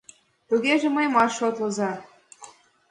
Тугеже мыйымат шотлыза.